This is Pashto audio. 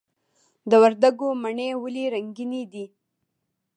د وردګو مڼې ولې رنګینې دي؟